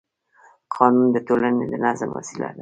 قانون د ټولنې د نظم وسیله ده